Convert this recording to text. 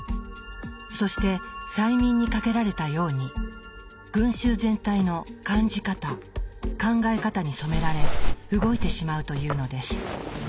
そして催眠にかけられたように群衆全体の感じ方考え方に染められ動いてしまうというのです。